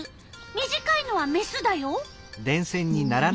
短いのはメスだよ。